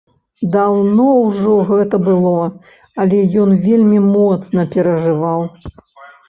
Даўно ўжо гэта было, але ён вельмі моцна перажываў.